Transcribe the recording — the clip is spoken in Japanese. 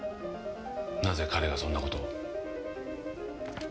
なぜ彼がそんな事を？